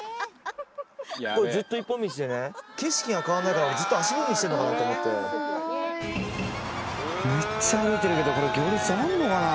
ずっと一本道でね景色が変わんないからずっと足踏みしてんのかなと思ってメッチャ歩いてるけど行列あんのかな？